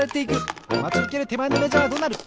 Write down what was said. まちうけるてまえのメジャーはどうなる？